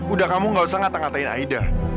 udah kamu gak usah ngata ngatain aida